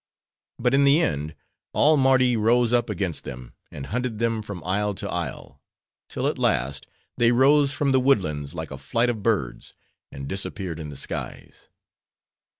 But in the end, all Mardi rose up against them, and hunted them from isle to isle; till, at last, they rose from the woodlands like a flight of birds, and disappeared in the skies.